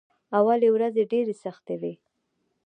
اولې ورځې ډېرې سختې وې.